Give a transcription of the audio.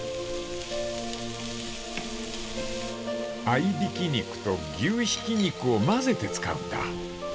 ［合いびき肉と牛ひき肉を混ぜて使うんだ］